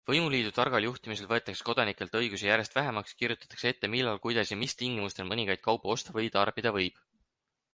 Võimuliidu targal juhtimisel võetakse kodanikelt õigusi järjest vähemaks, kirjutatakse ette, millal, kuidas ja mis tingimustel mõningaid kaupu osta või tarbida võib.